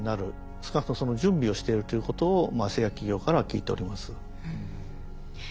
少なくともその準備をしてるということを製薬企業からは聞いております。